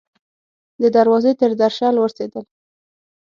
د دروازې تر درشل ورسیدل